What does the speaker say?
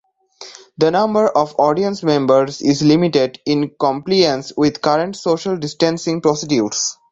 The number of audience members is limited in compliance with current social distancing procedures.